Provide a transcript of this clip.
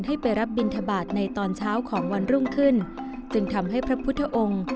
ให้ไปรับบินทบาทในตอนเช้าของวันรุ่งขึ้นจึงทำให้พระพุทธองค์